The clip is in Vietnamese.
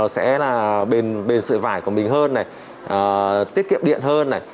sẽ là bền sợi vải của mình hơn tiết kiệm điện hơn